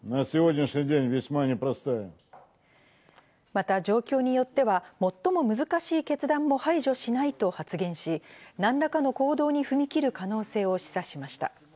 また状況によっては、最も難しい決断も排除しないと発言し、何らかの行動に踏み切る可能性を示唆しました。